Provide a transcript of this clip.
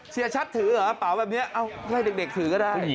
เสียชัดถือหรอป่าวแบบนี้อะไรเด็กถือก็ได้